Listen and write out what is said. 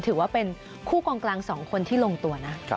ถือว่าเป็นคู่กองกลาง๒คนที่ลงตัวนะ